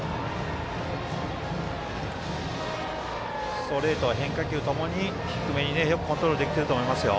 ストレート、変化球ともに低めによくコントロールできていると思いますよ。